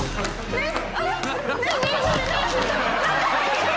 えっ！？